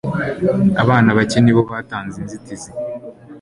Abana bake ni bo batanze inzitizi